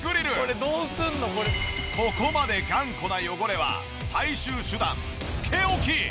ここまで頑固な汚れは最終手段つけ置き。